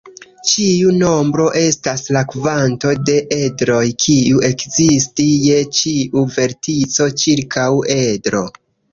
Ĉiu nombro estas la kvanto de edroj kiu ekzisti je ĉiu vertico ĉirkaŭ edro.